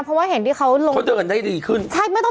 เพราะว่าเห็นที่เขาลง